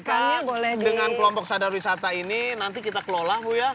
nah makanya itu kita dengan kelompok sadar wisata ini nanti kita kelola